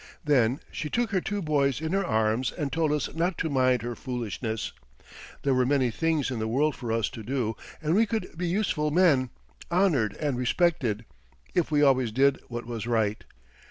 Then she took her two boys in her arms and told us not to mind her foolishness. There were many things in the world for us to do and we could be useful men, honored and respected, if we always did what was right.